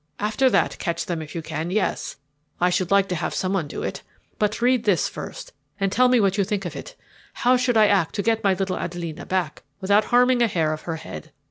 After that, catch them if you can yes, I should like to have someone do it. But read this first and tell me what you think of it. How should I act to get my little Adelina back without harming a hair of her head?"